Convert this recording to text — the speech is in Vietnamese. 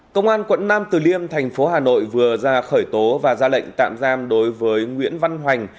công an quận nam từ liêm thành phố hà nội vừa ra khởi tố và ra lệnh tạm giam đối với nguyễn văn hoành